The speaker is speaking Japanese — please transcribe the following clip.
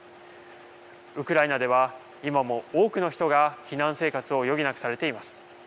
ウクライナでは、今も多くの人が避難生活を余儀なくされています。